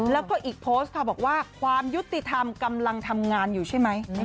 แล้วก็อีกโพสต์ค่ะบอกว่าความยุติธรรมกำลังทำงานอยู่ใช่ไหม